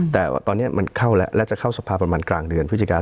แต่ตอนนี้มันเข้าแล้วและจะเข้าสรรพันธ์ประมาณกลางเดือนพิจารณ์